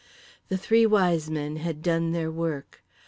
The Three Wise Men had done their work.